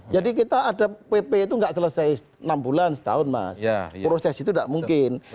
jadi kita ada pp itu tidak selesai enam bulan setahun mas proses itu tidak mungkin